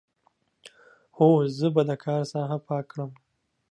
هو، زه به د کار ساحه پاک کړم.